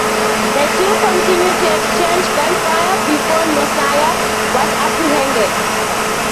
The two continued to exchange gunfire before Nosair was apprehended.